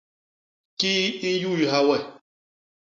Kii i nyuyha we?